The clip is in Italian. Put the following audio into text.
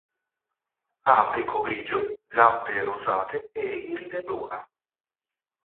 Ha becco grigio, zampe rosate e iride bruna.